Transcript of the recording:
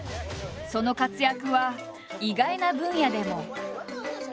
その活躍は意外な分野でも。